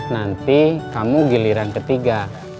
nanti kamu giliran ketiga